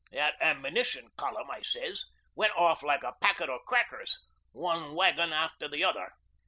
"That Ammunition Column," I sez, "went off like a packet o' crackers, one wagon after the other.